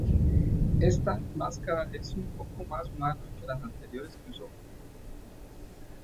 Ésta máscara es un poco más humana que las anteriores que usó.